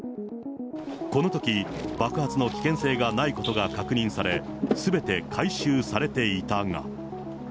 このとき、爆発の危険性がないことが確認され、すべて回収されていたが。